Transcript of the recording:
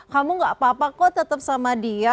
kamu gak apa apa kok tetap sama dia